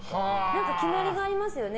何か決まりがありますよね。